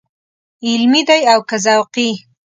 علمي دی او که ذوقي.